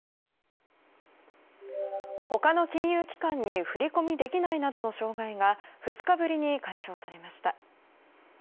他の金融機関に振り込みできないなどの障害が２日ぶりに解消されました。